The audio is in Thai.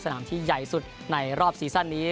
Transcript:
สนามที่ใหญ่สุดในรอบซีซั่นนี้